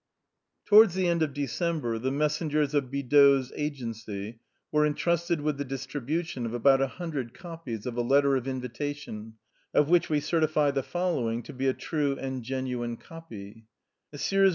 Towards the end of December the messengers of Bi dault's agency were entrusted with the distribution of about a hundred copies of a letter of invitation, of which we certify the following to be a true and genuine copy: M.M.